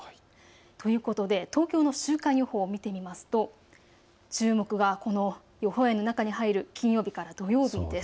ということで東京の週間予報を見てみますと注目はこの予報円の中に入る金曜日から土曜日です。